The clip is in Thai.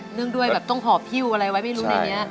เรื่องด้วยแบบต้องหอบฮิ้วอะไรไว้ไม่รู้ในนี้